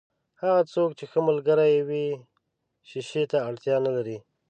هغه څوک چې ښه ملګری يې وي، شیشې ته اړتیا نلري.